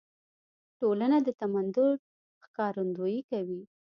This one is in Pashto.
ټولنه د تمدن ښکارندويي کوي.